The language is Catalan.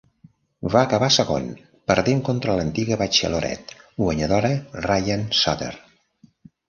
Va acabar segon, perdent contra l'antiga "Bachelorette" guanyadora Ryan Sutter.